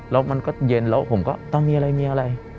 แล้วมันก็เย็นแล้วผมก็มีอะไรมีอะไร